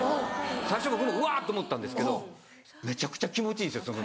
最初僕もうわっ！と思ったんですけどめちゃくちゃ気持ちいいんですよ。